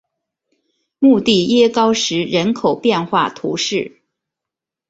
穆蒂耶高石人口变化图示